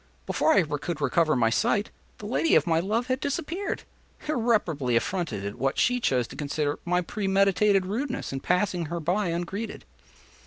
Before I could recover my sight, the lady of my love had disappeared—irreparably affronted at what she chose to consider my premeditated rudeness in passing her by ungreeted.